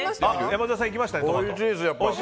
山添さんいきましたね、トマト。